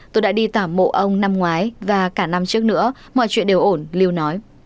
tôi đã đi tả mộ ông năm ngoái và cả năm trước nữa mọi chuyện đều ổn lưu nói